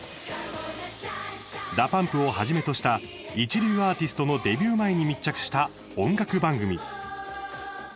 ＤＡＰＵＭＰをはじめとした一流アーティストのデビュー前に密着した音楽番組。